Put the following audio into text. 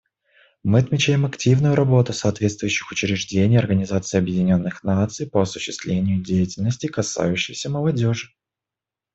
Мы отмечаем активную работу соответствующих учреждений Организации Объединенных Наций по осуществлению деятельности, касающейся молодежи.